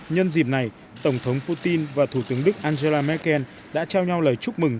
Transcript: nhân dịp này tổng thống putin và thủ tướng đức angela merkel đã trao nhau lời chúc mừng